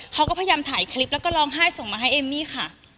เขาก็พยายามถ่ายคลิปแล้วก็ร้องไห้ส่งมาให้เอมมี่ค่ะ